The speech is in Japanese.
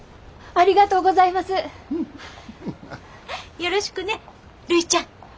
よろしくねるいちゃん。